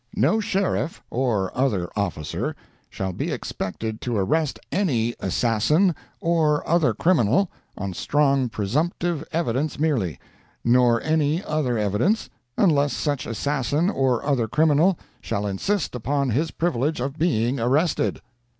No Sheriff or other officer shall be expected to arrest any assassin or other criminal on strong presumptive evidence, merely, nor any other evidence, unless such assassin or other criminal shall insist upon his privilege of being arrested."